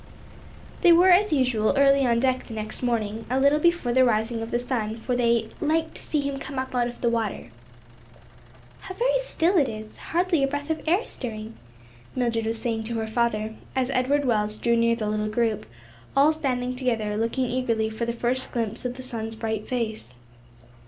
They were as usual early on deck the next morning, a little before the rising of the sun, for they "liked to see him come up out of the water." "How very still it is! hardly a breath of air stirring," Mildred was saying to her father as Edward Wells drew near the little group, all standing together looking eagerly for the first glimpse of the sun's bright face.